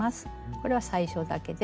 これは最初だけです。